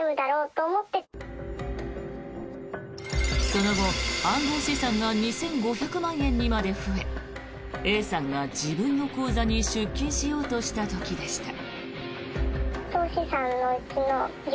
その後、暗号資産が２５００万円にまで増えＡさんが自分の口座に出金しようとした時でした。